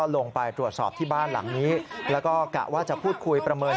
ลงไปตรวจสอบที่บ้านหลังนี้แล้วก็กะว่าจะพูดคุยประเมิน